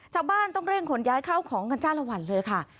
ชาวบ้านต้องเร่งขนย้ายเข้าของกันจ้าละวันเลยค่ะ